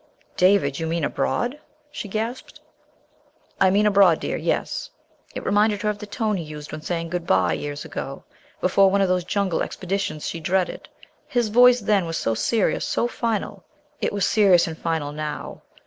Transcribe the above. "David! You mean abroad?" she gasped. "I mean abroad, dear, yes." It reminded her of the tone he used when saying good bye years ago, before one of those jungle expeditions she dreaded. His voice then was so serious, so final. It was serious and final now.